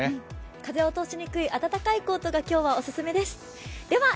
風を通しにくい暖かいコートが今日はオススメです。